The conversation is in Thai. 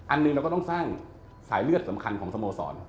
อันหนึ่งเราก็ต้องสร้างสายเลือดสำคัญของสโมสร